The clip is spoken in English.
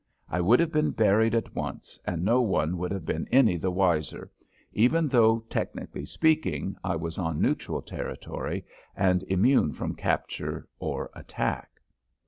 I would have been buried at once and no one would have been any the wiser, even though, technically speaking, I was on neutral territory and immune from capture or attack.